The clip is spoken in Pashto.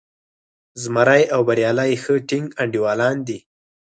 زمری او بریالی ښه ټینګ انډیوالان دي.